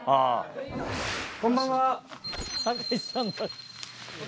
こんばんは。